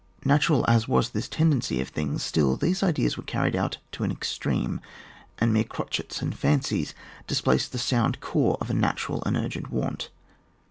Natural ad was this tendency of things, still these ideas were carried out to an extreme, and mere crotchets and fancies displaced the sound core of a natural and urgent want.